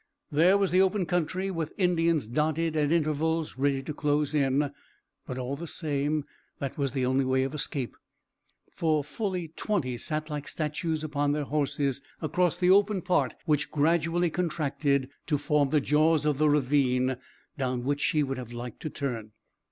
There was the open country with Indians dotted at intervals ready to close in, but all the same that was the only way of escape, for fully twenty sat like statues upon their horses across the open part which gradually contracted to form the jaws of the ravine down which he would have liked to turn.